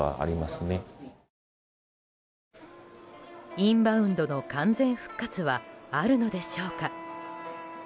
インバウンドの完全復活はあるのでしょうか。